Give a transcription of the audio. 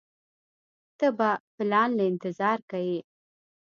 ته به پلان له انتظار کيې.